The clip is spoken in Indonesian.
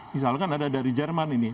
misalkan ada dari jerman ini